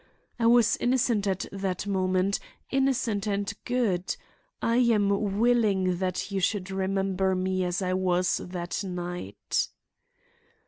I was innocent at that moment, innocent and good. I am willing that you should remember me as I was that night.